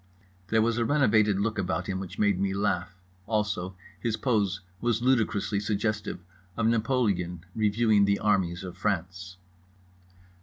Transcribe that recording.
There was a renovated look about him which made me laugh. Also his pose was ludicrously suggestive of Napoleon reviewing the armies of France.